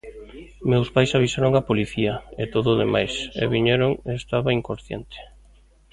Meus pais avisaron a policía e todo o demais, e viñeron e estaba inconsciente.